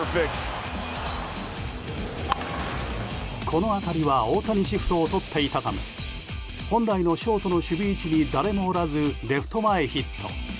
この当たりは大谷シフトをとっていたため本来のショートの守備位置に誰もおらずレフト前ヒット。